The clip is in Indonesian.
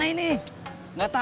abis per jardin